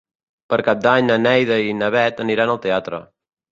Per Cap d'Any na Neida i na Bet aniran al teatre.